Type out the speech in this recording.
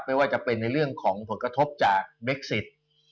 ไม่ว่าจะเป็นในเรื่องของผลกระทบจากเบคซิต